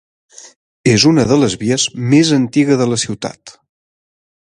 És una de les vies més antiga de la ciutat.